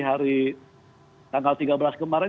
hari tanggal tiga belas kemarin